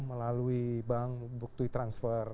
melalui bank bukti transfer